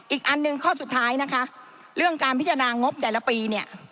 อีกอันหนึ่งข้อสุดท้ายนะคะเรื่องการพิจารณางบแต่ละปีเนี่ย